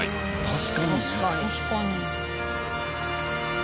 確かに。